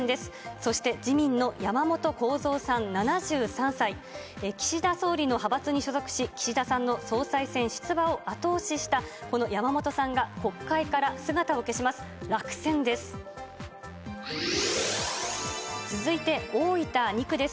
そして、自民の山本幸三さん７３歳、岸田総理の派閥に所属し、岸田さんの総裁選出馬を後押ししたこの山本さんが、国会から姿を消します。